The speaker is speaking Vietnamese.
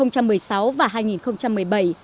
năm hai nghìn một mươi sáu và hai nghìn một mươi bảy